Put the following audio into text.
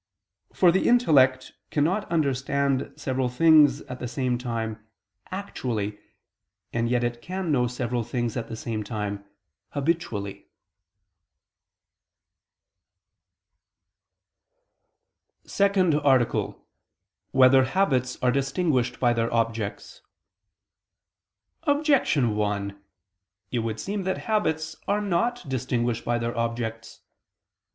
For the intellect cannot understand several things at the same time actually; and yet it can know several things at the same time habitually. ________________________ SECOND ARTICLE [I II, Q. 54, Art. 2] Whether Habits Are Distinguished by Their Objects? Objection 1: It would seem that habits are not distinguished by their objects.